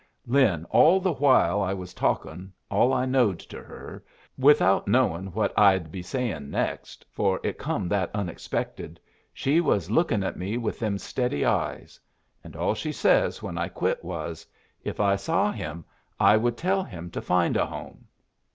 "Lin, all the while I was talkin' all I knowed to her, without knowin' what I'd be sayin' next, for it come that unexpected, she was lookin' at me with them steady eyes. And all she says when I quit was, 'If I saw him I would tell him to find a home.'"